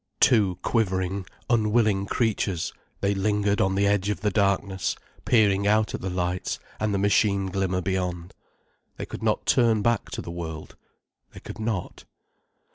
Two quivering, unwilling creatures, they lingered on the edge of the darkness, peering out at the lights and the machine glimmer beyond. They could not turn back to the world—they could not.